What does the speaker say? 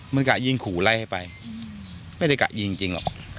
มันกะยิงขู่ไล่ให้ไปไม่ได้กะยิงจริงหรอก